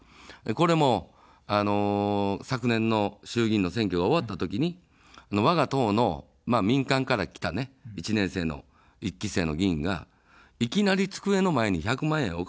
これも、昨年の衆議院の選挙が終わったときに、わが党の民間から来た１年生の１期生の議員がいきなり机の前に１００万円置かれるわけですから。